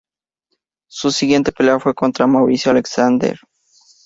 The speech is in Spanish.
Su siguiente pelea fue contra Márcio Alexandre Jr.